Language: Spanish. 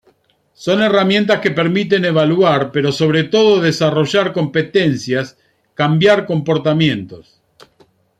Son herramientas que permiten evaluar, pero sobre todo desarrollar competencias, cambiar comportamientos.